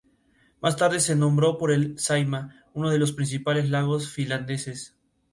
Más tarde se nombró por el Saimaa, uno de los principales lagos finlandeses.